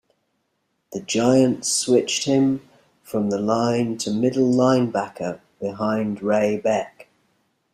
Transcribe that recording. The Giants switched him from the line to middle linebacker behind Ray Beck.